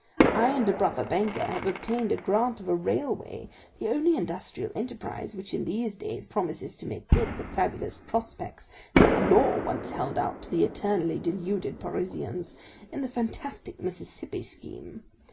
I and a brother banker have obtained a grant of a railway, the only industrial enterprise which in these days promises to make good the fabulous prospects that Law once held out to the eternally deluded Parisians, in the fantastic Mississippi scheme.